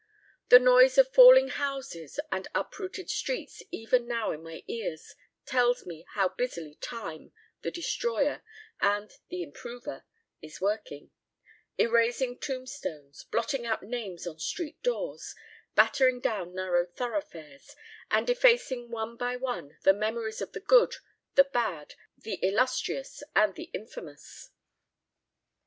The noise of falling houses and uprooted streets even now in my ears tells me how busily Time, the Destroyer and the Improver, is working; erasing tombstones, blotting out names on street doors, battering down narrow thoroughfares, and effacing one by one the memories of the good, the bad, the illustrious, and the infamous.